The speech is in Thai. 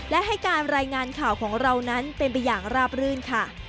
และให้การรายงานข่าวของเรานั้นเป็นไปอย่างราบรื่นค่ะ